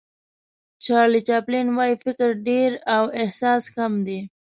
چارلي چاپلین وایي فکر ډېر او احساس کم دی.